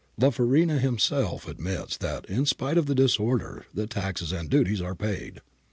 La Farina himself admits that ' in spite of the disorder the taxes and duties are paid' {La Farina, ii.